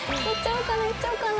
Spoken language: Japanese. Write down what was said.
言っちゃおうかな